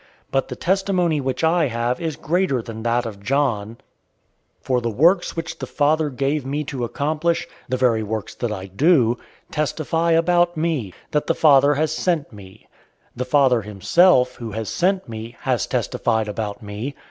005:036 But the testimony which I have is greater than that of John, for the works which the Father gave me to accomplish, the very works that I do, testify about me, that the Father has sent me. 005:037 The Father himself, who sent me, has testified about me.